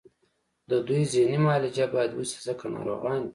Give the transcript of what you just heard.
د دوی ذهني معالجه باید وشي ځکه ناروغان دي